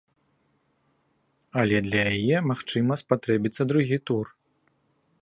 Але для яе, магчыма, спатрэбіцца другі тур.